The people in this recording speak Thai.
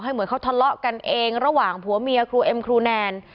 เหมือนเขาทะเลาะกันเองระหว่างผัวเมียครูเอ็มครูแนน